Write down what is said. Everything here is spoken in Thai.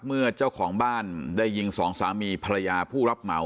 เจ้าของบ้านได้ยิงสองสามีภรรยาผู้รับเหมา